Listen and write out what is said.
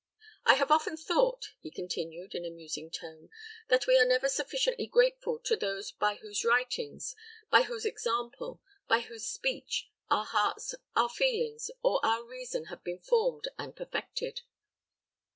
I have often thought," he continued, in a musing tone, "that we are never sufficiently grateful to those by whose writings, by whose example, by whose speech, our hearts, our feelings, or our reason have been formed and perfected.